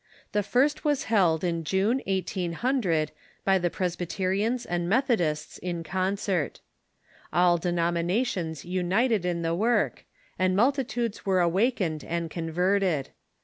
The first was held in June, 1800, by the Presbyterians and Methodists in concert. All denominations united in the work, and multitudes were awakened and converted.